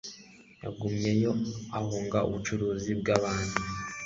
Yagumyeyo ahunga ubucuruzi bw'abantu